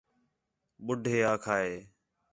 ٻُڈّھے آکھا ہِے